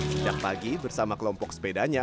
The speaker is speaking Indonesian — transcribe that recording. sejak pagi bersama kelompok sepedanya